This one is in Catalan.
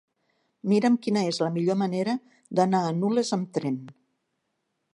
Mira'm quina és la millor manera d'anar a Nules amb tren.